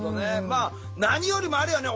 まあ何よりもあれよね